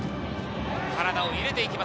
体を入れていきます。